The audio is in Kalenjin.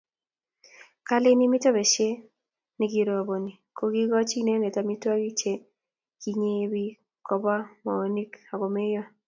kaleni mito besie ne kiroboni kukochi inende amitwogik che kinyei beek, kobwaa moonik akumeyo